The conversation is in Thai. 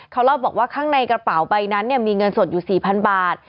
เขาเล่าบอกว่าข้างในกระเป๋าใบนั้นมีเงินสดอยู่๔๐๐๐บาท